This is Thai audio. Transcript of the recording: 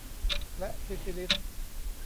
และซิฟิลิส